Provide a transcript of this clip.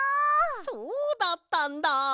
そうだったんだ！